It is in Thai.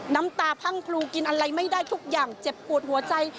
น้ำตาพังพลูกินอะไรไม่ได้ทุกอย่างเจ็บปวดหัวใจ